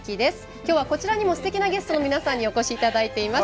今日はこちらにもすてきなゲストの皆さんにお越しいただいています。